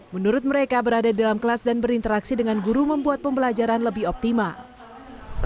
menurut mereka berada dalam kelas dan berinteraksi dengan guru membuat pembelajaran lebih optimal